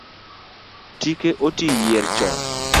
Tike oti yier chon